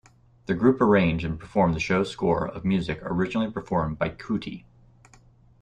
The group arranged and performed the show's score of music originally performed by Kuti.